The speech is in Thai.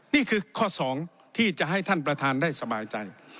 นี่คือข้อ๒ที่จะให้ท่านประธานได้สบายใจ